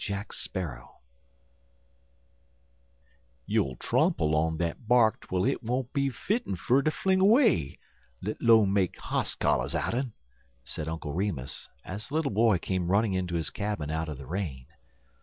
JACK SPARROW "You'll tromple on dat bark twel hit won't be fitten fer ter fling 'way, let 'lone make hoss collars out'n," said Uncle Remus, as the little boy came running into his cabin out of the rain.